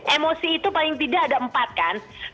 emosi itu paling tidak ada empat kan